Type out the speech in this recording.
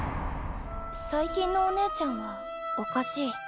最近のお姉ちゃんはおかしい。